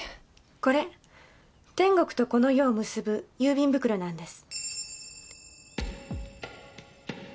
これ天国とこの世を結ぶ郵便袋なんです。